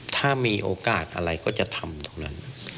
ถ้ามีโอกาสอะไรก็จะทำตรงนั้น